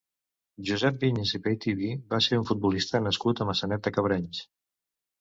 Josep Viñas i Peitiví va ser un futbolista nascut a Maçanet de Cabrenys.